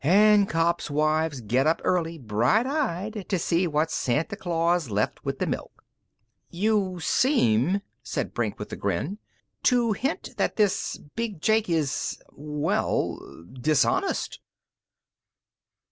An' cops' wives get up early, bright eyed, to see what Santa Claus left with the milk." "You seem," said Brink with a grin, "to hint that this Big Jake is ... well ... dishonest."